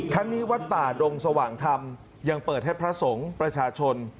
ทั้งนี้วัดป่าดงสว่างธรรมยังเปิดให้พระสงฆ์ประชาชน